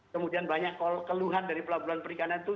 kemudian banyak keluhan dari pelabuhan perikanan itu